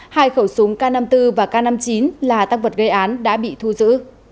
hai khẩu súng k năm mươi bốn và k năm mươi chín là tăng vật gây án đã bị thu giữ